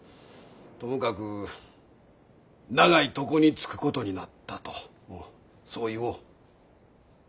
ともかく長い床につくことになったとうんそう言おう。